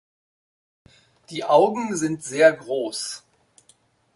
Die Augen sind sehr groß.